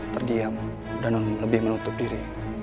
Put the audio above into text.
terdiam dan lebih menutup diri